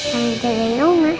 kan jagain oma